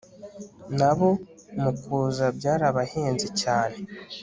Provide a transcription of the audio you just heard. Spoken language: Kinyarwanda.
nabo mukuza byarabahenze cyane